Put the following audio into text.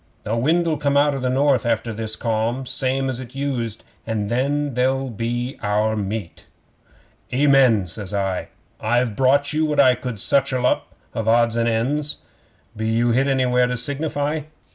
The wind'll come out of the North after this calm same as it used and then they're our meat." '"Amen," says I. "I've brought you what I could scutchel up of odds and ends. Be you hit anywhere to signify?"